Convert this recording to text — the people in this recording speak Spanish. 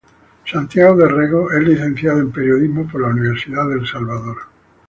Santiago do Rego es Licenciado en Periodismo por la Universidad del Salvador.